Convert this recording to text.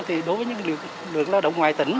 thì đối với những lượng lao động ngoài tỉnh